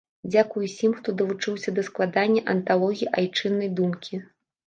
Дзякуй усім, хто далучыўся да складання анталогіі айчыннай думкі!